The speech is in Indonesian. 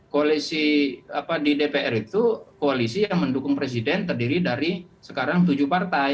koalisi di dpr itu koalisi yang mendukung presiden terdiri dari sekarang tujuh partai